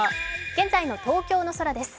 現在の東京の空です。